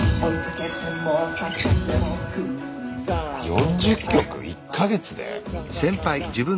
４０曲⁉１か月で⁉え。